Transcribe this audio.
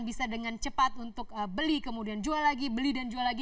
bisa dengan cepat untuk beli kemudian jual lagi beli dan jual lagi